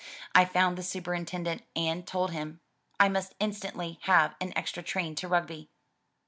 I found the superintendent and told him, " I must instantly have an extra train to Rugby.'